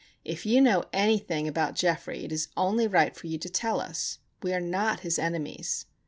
"If you know anything about Geoffrey it is only right for you to tell us. We are not his enemies."